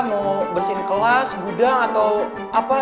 mau bersihin kelas gudang atau apa